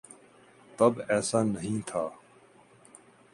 تب ایسا نہیں تھا۔